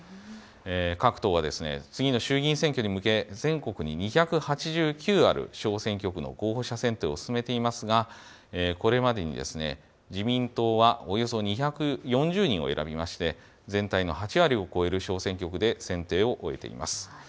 各党は次の衆議院選挙に向け、全国に２８９ある小選挙区の候補者選定を進めていますが、これまでに自民党はおよそ２４０人を選びまして、全体の８割を超える小選挙区で選定を終えています。